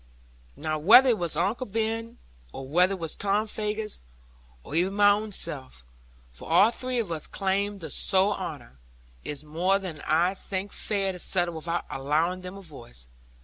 Now whether it were Uncle Ben, or whether it were Tom Faggus or even my own self for all three of us claimed the sole honour is more than I think fair to settle without allowing them a voice.